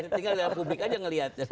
tinggal publik aja ngelihat